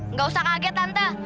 nggak usah kaget tante